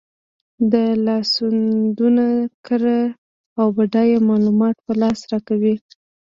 دا لاسوندونه کره او بډایه معلومات په لاس راکوي.